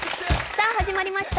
さあ始まりました。